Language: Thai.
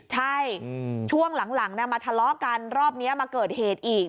ใช่ช่วงหลังมาทะเลาะกันรอบนี้มาเกิดเหตุอีก